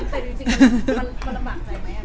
เมื่อกี้มันลำบากใจไหม